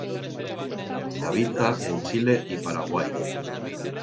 Habita en Chile y Paraguay.